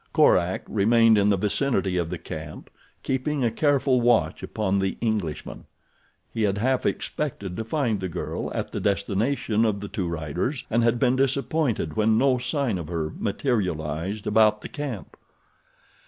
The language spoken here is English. Korak remained in the vicinity of the camp, keeping a careful watch upon the Englishman. He had half expected to find the girl at the destination of the two riders and had been disappointed when no sign of her materialized about the camp.